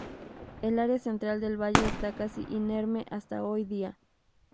El área central del valle está casi inerme hasta hoy día.